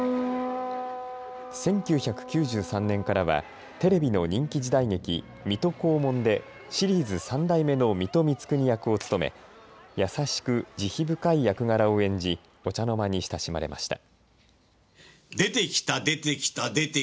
１９９３年からはテレビの人気時代劇、水戸黄門でシリーズ３代目の水戸光圀役を務め優しく慈悲深い役柄を演じお茶の間に親しまれました。